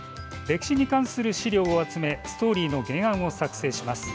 歴史に関する史料を集めストーリーの原案を作成します。